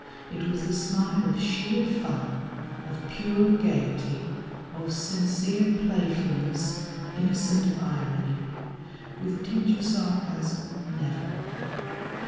It was the smile of sheer fun, of pure gaiety, of sincere playfulness, innocent of irony; with a tinge of sarcasm never.